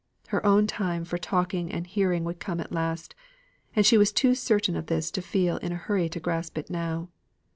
Her own time for talking and hearing would come at last, and she was too certain of this to feel in a hurry to grasp it now.